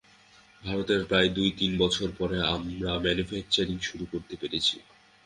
ভারতের প্রায় দুই তিন বছর পরে আমরা ম্যানুফ্যাকচারিং শুরু করতে পেরেছি।